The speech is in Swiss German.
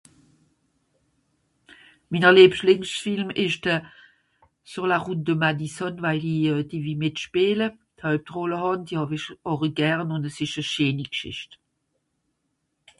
"Minner lìebschlingsch Film ìsch de ""Sur la route Madison"" weil i euh... die, wie mìtspìele, d'Hoeiptrolle hàn, die haw-ìch àri gern ùn es ìsch e scheeni Gschìcht."